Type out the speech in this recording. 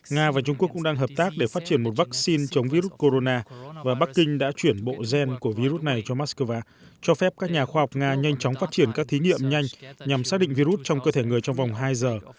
nga và trung quốc cũng đang hợp tác để phát triển một vaccine chống virus corona và bắc kinh đã chuyển bộ gen của virus này cho moscow cho phép các nhà khoa học nga nhanh chóng phát triển các thí nghiệm nhanh nhằm xác định virus trong cơ thể người trong vòng hai giờ